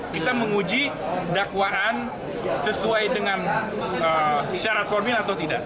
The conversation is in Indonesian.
kita menguji dakwaan sesuai dengan syarat formil atau tidak